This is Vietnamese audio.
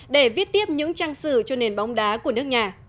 để viết tiếp những trang sử cho nền bóng đá của nước nhà